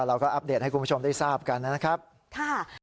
อัปเดตให้คุณผู้ชมได้ทราบกันนะครับค่ะ